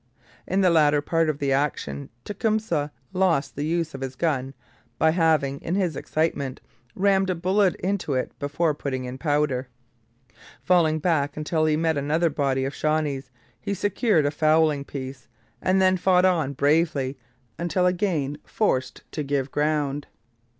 In the latter part of the action Tecumseh lost the use of his gun by having, in his excitement, rammed a bullet into it before putting in powder. Falling back until he met another body of Shawnees, he secured a fowling piece, and then fought on bravely until again forced to give ground.